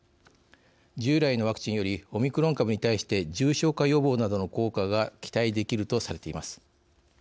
従来のワクチンよりオミクロン株に対して重症化予防などの効果が期待できるとされています。